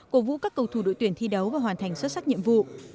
cổ vũ các cầu thủ đội tuyển thi đấu và hoàn thành xuất sắc nhiệm vụ